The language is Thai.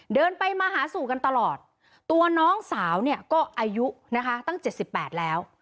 เดินไปมาหาสู่กันตลอดตัวน้องสาวเนี่ยก็อายุนะคะตั้ง๗๘แล้ว